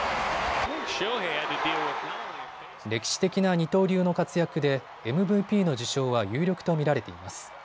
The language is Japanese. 歴史的な二刀流の活躍でＭＶＰの受賞は有力と見られています。